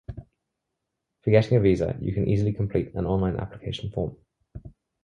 For getting a visa you can easily complete an online application form.